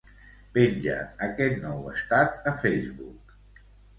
Penja aquest nou estat a Facebook.